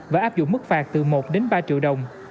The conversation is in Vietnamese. và áp dụng mức phạt từ một đến ba triệu đồng